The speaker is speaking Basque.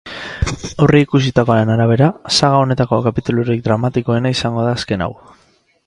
Aurreikusitakoaren arabera, saga honetako kapitulurik dramatikoena izango da azken hau.